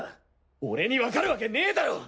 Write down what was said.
俺にわかるわけねえだろ！